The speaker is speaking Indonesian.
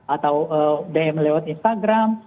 atau dm lewat instagram